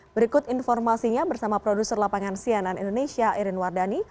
berikut informasinya bersama produser lapangan cnn indonesia irin wardani